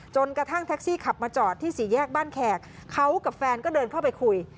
กระทั่งแท็กซี่ขับมาจอดที่สี่แยกบ้านแขกเขากับแฟนก็เดินเข้าไปคุย